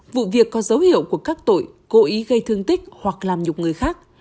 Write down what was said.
vụ việc có dấu hiệu của các tội cố ý gây thương tích hoặc làm nhục người khác